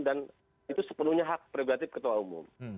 dan itu sepenuhnya hak pribadi ketua umum